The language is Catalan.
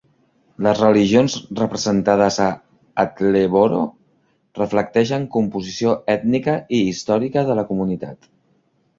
Les religions representades a Attleboro reflecteixen composició ètnica i històrica de la comunitat.